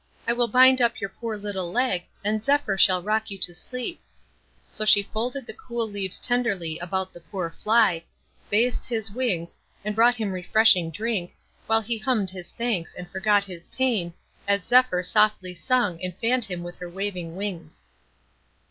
"I will bind up your poor little leg, and Zephyr shall rock you to sleep." So she folded the cool leaves tenderly about the poor fly, bathed his wings, and brought him refreshing drink, while he hummed his thanks, and forgot his pain, as Zephyr softly sung and fanned him with her waving wings.